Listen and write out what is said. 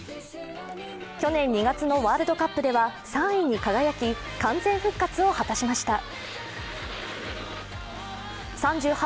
去年２月のワールドカップでは３位に輝き完全復活を果たしました。